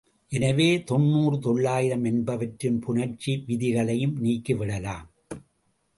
எனவே, தொண்ணூறு, தொள்ளாயிரம் என்பவற்றின் புணர்ச்சி விதிகளையும் நீக்கிவிடலாம்.